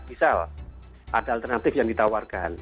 misal ada alternatif yang ditawarkan